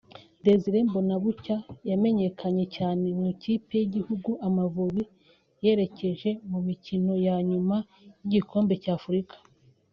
Desire Mbonabucya yamenyekanye cyane mu ikipe y'igihugu Amavubi yerekeje mu mikino ya nyuma y'igikombe cya Afrika